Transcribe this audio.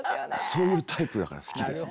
そういうタイプだから好きです。